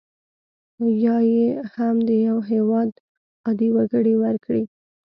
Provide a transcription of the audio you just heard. یا یې هم د یو هیواد عادي وګړي ورکړي.